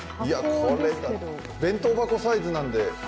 これ、弁当箱サイズなんで。